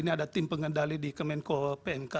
ini ada tim pengendali di kemenko pmk